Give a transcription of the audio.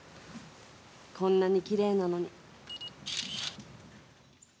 こんなにきれいなのに。